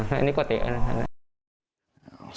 แล้วอันนี้ก็เตะ